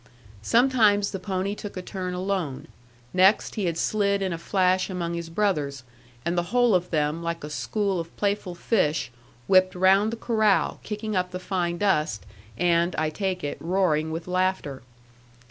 Sometimes the pony took a turn alone; next he had slid in a flash among his brothers, and the whole of them like a school of playful fish whipped round the corral, kicking up the fine dust, and (I take it) roaring with laughter.